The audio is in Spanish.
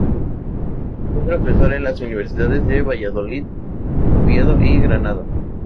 Fue profesor en las universidades de Valladolid, Oviedo y Granada.